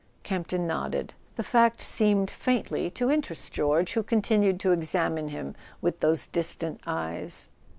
Campton nodded. The fact seemed faintly to interest George, who continued to examine him with those distant eyes.